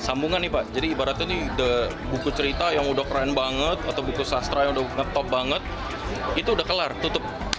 sambungan nih pak jadi ibaratnya nih buku cerita yang udah keren banget atau buku sastra yang udah ngetop banget itu udah kelar tutup